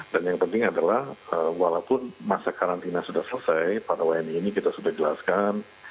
dan yang penting adalah walaupun masa karantina sudah selesai para wni ini kita sudah jelaskan